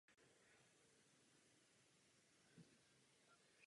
Chtějí bojovat s velkou nespravedlností neoliberalismu a globálního kapitálu.